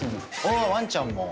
ワンちゃんも。